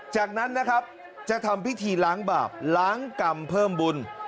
จากนั้นนะครับจะทำพิธีล้างบาปล้างกรรมเพิ่มบุญ